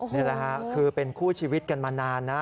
นี่แหละค่ะคือเป็นคู่ชีวิตกันมานานนะ